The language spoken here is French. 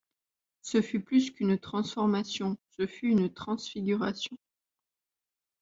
Ce fut plus qu’une transformation, ce fut une transfiguration.